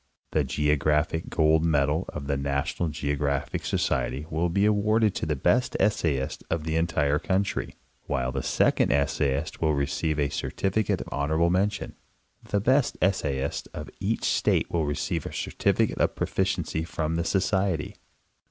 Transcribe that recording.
The Geographic Gold. Medal of the NattonaL GEOGRAPHIC So creTy will be awarded to the best essayist of the entire country, while the second essayist will receive a certificate of honorable mention. The best essayist of each state will receive a certifi cate of proficiency from the Society.